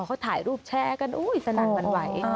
เขาถ่ายรูปแชร์กันอุ๊ยสนั่นวันไหว